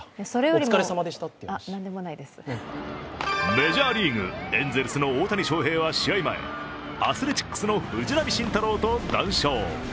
メジャーリーグ、エンゼルスの大谷翔平は試合前アスレチックスの藤浪晋太郎と談笑。